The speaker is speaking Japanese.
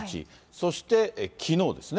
そしてきのうですね。